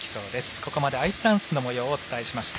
ここまでアイスダンスのもようをお伝えしました。